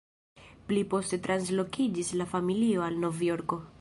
Pli poste translokiĝis la familio al Novjorko.